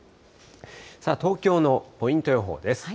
さあ、東京のポイント予報です。